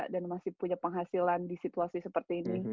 dan masih punya penghasilan di situasi seperti ini